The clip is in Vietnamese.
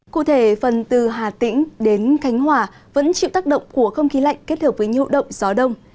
cụ thể phần từ hà tĩnh đến khánh hòa vẫn chịu tác động của không khí lạnh kết hợp với nhụ động gió đông